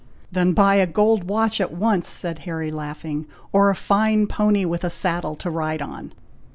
"Then buy a gold watch at once," said Harry, laughing; "or a fine pony, with a saddle, to ride on."